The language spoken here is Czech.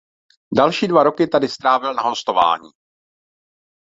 Další dva roky tedy strávil na hostování.